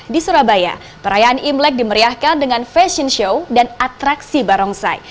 di surabaya perayaan imlek dimeriahkan dengan fashion show dan atraksi barongsai